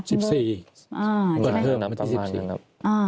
๑๔ประมาณนั้นครับ